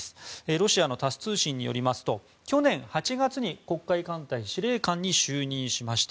ロシアのタス通信によりますと去年８月に黒海艦隊司令官に就任しました。